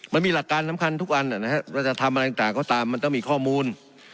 มันมีหลักการสำคัญทุกอันนะครับเราจะทำอะไรต่างก็ตามมันต้องมีข้อมูล